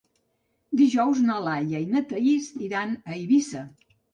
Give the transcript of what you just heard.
Dijous na Laia i na Thaís iran a Eivissa.